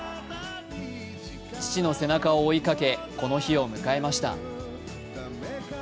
父の背中を追いかけ、この日を迎えました。